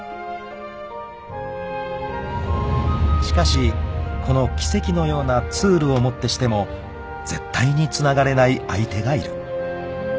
［しかしこの奇跡のようなツールをもってしても絶対につながれない相手がいる］